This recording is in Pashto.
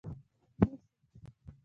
بندي شم.